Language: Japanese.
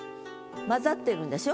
雑ざってるんでしょ？